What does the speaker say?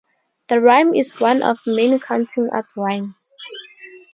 The rhyme is one of many counting-out rhymes.